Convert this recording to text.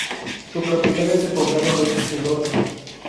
Su capital es el poblado de Elorza.